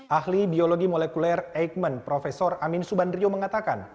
ahli biologi molekuler eijkman prof amin subandrio mengatakan